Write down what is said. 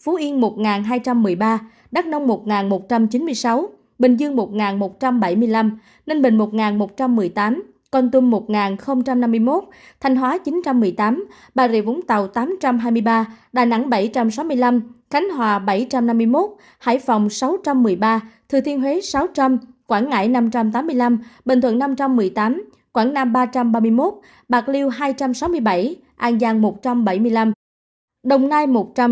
phú yên một hai trăm một mươi ba đắk nông một một trăm chín mươi sáu bình dương một một trăm bảy mươi năm ninh bình một một trăm một mươi tám con tum một năm mươi một thanh hóa chín trăm một mươi tám bà rịa vũng tàu tám trăm hai mươi ba đà nẵng bảy trăm sáu mươi năm khánh hòa bảy trăm năm mươi một hải phòng sáu trăm một mươi ba thừa thiên huế sáu trăm linh quảng ngãi năm trăm tám mươi năm bình thuận năm trăm một mươi tám quảng nam ba trăm ba mươi một bạc liêu hai trăm sáu mươi bảy an giang một trăm bảy mươi năm đồng nai một trăm sáu mươi năm